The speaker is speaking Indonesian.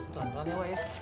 pelan pelan ya wak ya